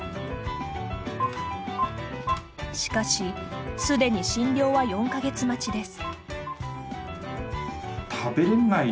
しかしすでに診療は４か月待ちです。